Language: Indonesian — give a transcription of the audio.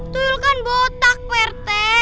tuyul kan botak pak rete